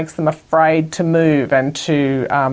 ke rumah membuat mereka takut